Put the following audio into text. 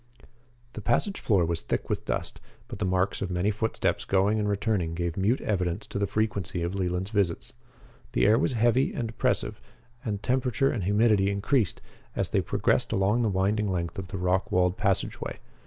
The passage floor was thick with dust, but the marks of many footsteps going and returning gave mute evidence of the frequency of Leland's visits. The air was heavy and oppressive and the temperature and humidity increased as they progressed along the winding length of the rock walled passageway.